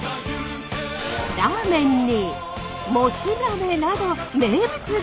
ラーメンにもつ鍋など名物グルメ。